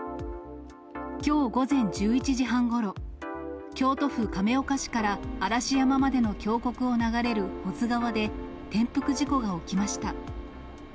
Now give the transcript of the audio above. きょう午前１１時半ごろ、京都府亀岡市から嵐山までの峡谷を流れる保津川で、転覆事故が起きました。